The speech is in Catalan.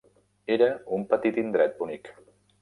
Era un petit indret bonic.